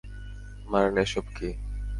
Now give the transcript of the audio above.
মারেন এসব কী?